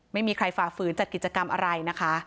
ไม่มีใครฝ่าฝืนจัดกิจกรรมอะไรนะคะ